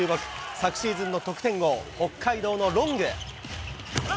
昨シーズンの得点王、北海道のロング。